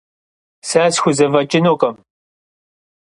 Se sxuzefeç'ınukhım.